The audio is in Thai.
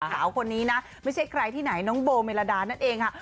สเจ้าคนนี้นะไม่ใช่ใครที่ไหนนองบลอ์เมรดานั่นเองอะ